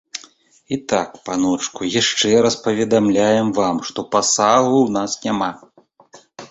І так, паночку, яшчэ раз паведамляем вам, што пасагу ў нас няма.